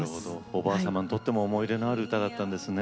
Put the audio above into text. おばあさまにとっても思い入れのある歌だったんですね。